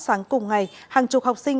sáng cùng ngày hàng chục học sinh